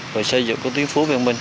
và xây dựng các tuyến phố văn minh